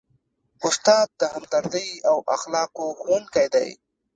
استاد د همدردۍ او اخلاقو ښوونکی دی.